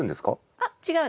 あっ違うんですよ。